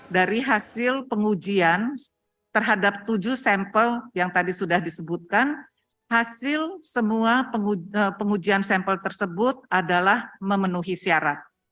dari hasil pengujian terhadap tujuh sampel yang tadi sudah disebutkan hasil semua pengujian sampel tersebut adalah memenuhi syarat